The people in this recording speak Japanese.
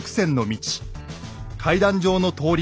階段状の通り